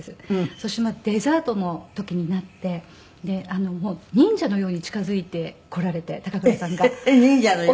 そうしますとデザートの時になって忍者のように近づいてこられて高倉さんが。忍者のように？